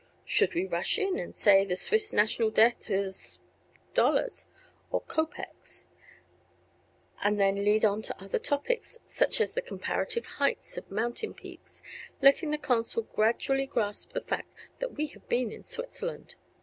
Should we rush in and say the Swiss national debt is $, or kopecks, and then lead on to other topics such as the comparative heights of mountain peaks, letting the consul gradually grasp the fact that we have been in Switzerland?